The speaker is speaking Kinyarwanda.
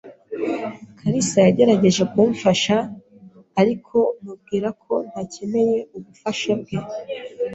kalisa yagerageje kumfasha, ariko mubwira ko ntakeneye ubufasha bwe.